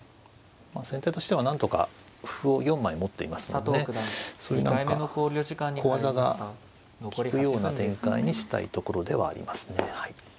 先手としてはなんとか歩を４枚持っていますのでそういう何か小技が利くような展開にしたいところではありますね。